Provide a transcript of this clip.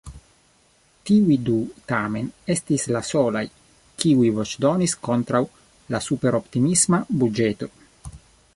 Tiuj du tamen estis la solaj, kiuj voĉdonis kontraŭ la superoptimisma buĝeto.